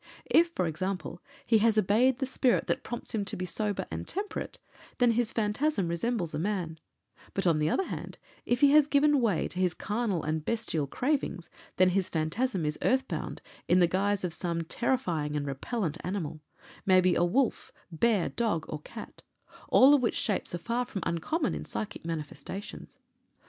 If, for example, he has obeyed the spirit that prompts him to be sober and temperate, then his phantasm resembles a man; but on the other hand, if he has given way to his carnal and bestial cravings, then his phantasm is earthbound, in the guise of some terrifying and repellent animal maybe a wolf, bear, dog, or cat all of which shapes are far from uncommon in psychic manifestations.